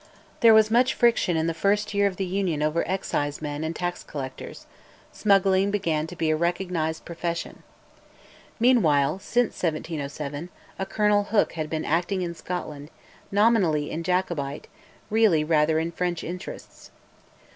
There was much friction in the first year of the Union over excisemen and tax collectors: smuggling began to be a recognised profession. Meanwhile, since 1707, a Colonel Hooke had been acting in Scotland, nominally in Jacobite, really rather in French interests.